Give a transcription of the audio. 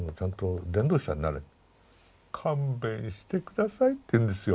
勘弁して下さいって言うんですよ。